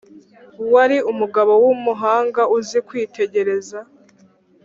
wari “umugabo w’umuhanga, uzi kwitegereza